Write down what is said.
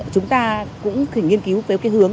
chúng ta cũng phải nghiên cứu với cái hướng